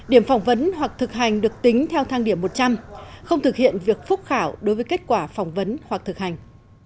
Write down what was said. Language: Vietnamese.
điểm phỏng vấn hoặc thực hành được tính theo thang điểm một trăm linh không thực hiện việc phúc khảo đối với kết quả phỏng vấn hoặc thực hành